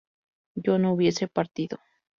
¿yo no hubiese partido?